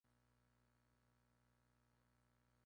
Rand creía que los dos eran incompatibles.